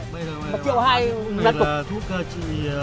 bây giờ bác đi đi